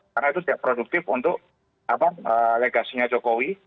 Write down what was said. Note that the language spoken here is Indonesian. karena itu tidak produktif untuk legasinya jokowi